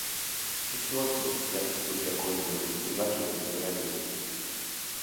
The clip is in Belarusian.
Усё адно, як ты тут якое-небудзь злачынства зрабіў.